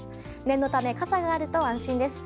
念のため、傘があると安心です。